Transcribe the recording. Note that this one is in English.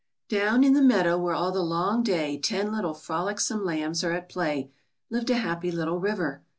Down in "the meadow where all the long day ten little frolicsome lambs are at play," lived a happy little river.